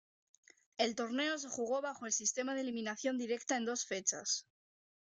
El torneo se jugó bajo el sistema de eliminación directa en dos fechas.